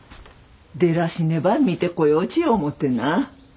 デラシネば見てこようち思ってな。